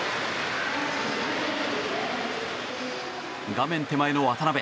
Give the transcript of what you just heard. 画面手前の渡辺。